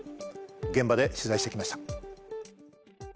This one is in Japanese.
現場で取材して来ました。